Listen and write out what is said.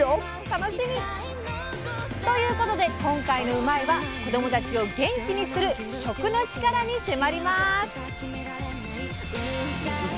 楽しみ！ということで今回の「うまいッ！」は子どもたちを元気にする食の力に迫ります！